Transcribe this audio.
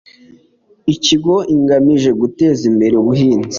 ikigo igamije guteza imbere ubuhinzi